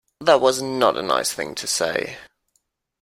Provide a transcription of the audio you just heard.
That was not a nice thing to say